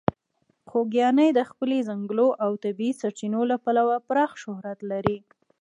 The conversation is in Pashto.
خوږیاڼي د خپلې ځنګلونو او د طبیعي سرچینو له امله پراخه شهرت لري.